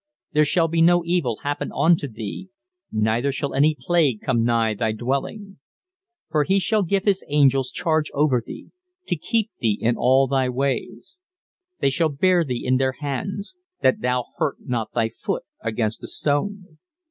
"There shall be no evil happen unto thee: neither shall any plague come nigh thy dwelling. "For he shall give his angels charge over thee: to keep thee In all thy ways. "They shall bear thee in their hands: that thou hurt not thy foot against a stone.